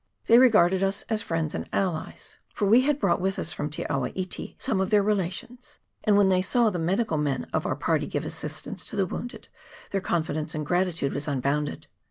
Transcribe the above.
They regarded us as friends and allies, for we had brought with us from Te awa iti some of their rela tions ; and when they saw the medical men of our party giving assistance to the wounded, their con fidence and gratitude were unbounded.